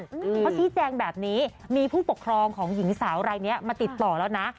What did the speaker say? เพราะที่แจ้งแบบนี้มีผู้ปกครองของหญิงสาวอะไรเนี่ยมาติดต่อแล้วนะ